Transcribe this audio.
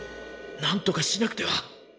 なんとかしなくては！